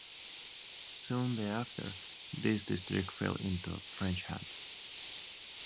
Soon thereafter, this district fell into French hands.